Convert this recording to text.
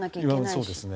そうですね。